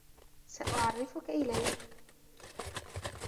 سأعرّفك إليه.